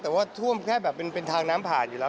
แต่ว่าท่วมแค่แบบเป็นทางน้ำผ่านอยู่แล้ว